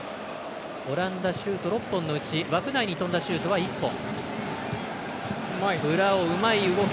オランダシュート６本のうち枠内に飛んだシュートは１本。